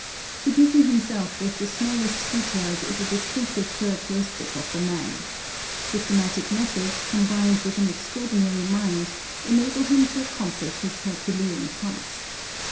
To busy himself with the smallest details is a distinctive characteristic of the man. Systematic methods, combined with an extraordinary mind, enable him to accomplish his herculean task.